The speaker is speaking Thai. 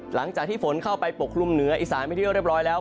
หลังจากที่ฝนเข้าไปปกลุ่มเหนืออิสานไม่ได้เลือกเรียบร้อยแล้ว